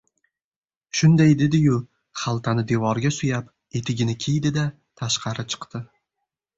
— Shunday dedi-yu, xaltani devorga suyab, etigini kiydi-da, tashqari chiqdi.